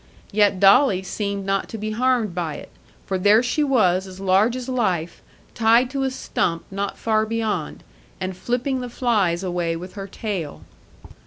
Yet Dolly seemed not to be harmed by it, for there she was as large as life, tied to a stump not far beyond, and flipping the flies away with her tail.